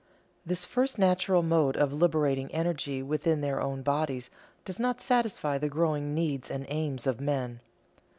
This first natural mode of liberating energy within their own bodies does not satisfy the growing needs and aims of men.